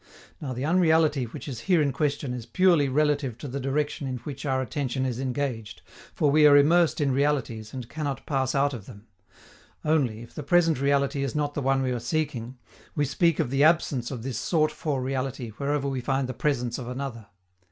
Now the unreality which is here in question is purely relative to the direction in which our attention is engaged, for we are immersed in realities and cannot pass out of them; only, if the present reality is not the one we are seeking, we speak of the absence of this sought for reality wherever we find the presence of another.